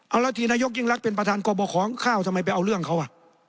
เอาแล้วที่นายกยิ่งรักเป็นประธานกรบของข้าวทำไมไปเอาเรื่องเขาอ่ะ